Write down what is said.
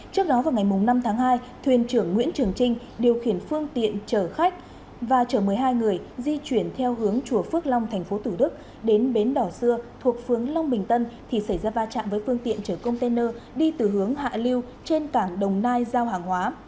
trước đó vào ngày năm tháng hai thuyền trưởng nguyễn trường trinh điều khiển phương tiện chở khách và chở một mươi hai người di chuyển theo hướng chùa phước long tp thủ đức đến bến đỏ xưa thuộc phướng long bình tân thì xảy ra va chạm với phương tiện chở container đi từ hướng hạ lưu trên cảng đồng nai giao hàng hóa